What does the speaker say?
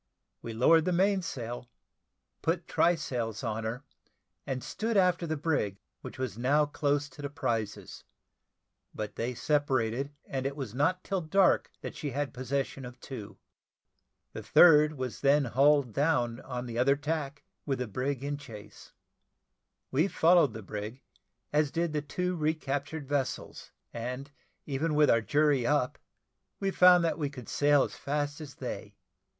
We lowered the mainsail, put try sails on her, and stood after the brig, which was now close to the prizes: but they separated, and it was not till dark that she had possession of two. The third was then hull down on the other tack, with the brig in chase. We followed the brig, as did the two recaptured vessels, and even with our jury up, we found that we could sail as fast as they.